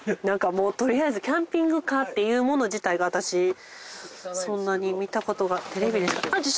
なんかもうとりあえずキャンピングカーっていうもの自体が私そんなに見たことがテレビでしか。